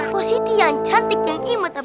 posisi yang cantik yang imate